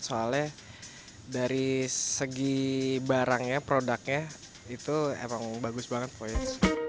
soalnya dari segi barangnya produknya itu emang bagus banget voice